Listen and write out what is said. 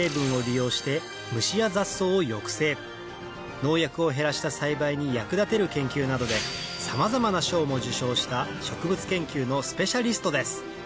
農薬を減らした栽培に役立てる研究などでさまざまな賞も受賞した植物研究のスペシャリストです